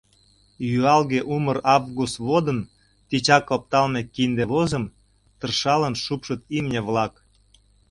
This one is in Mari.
Юалге умыр август водын Тичак опталме кинде возым Тыршалын шупшыт имне-влак.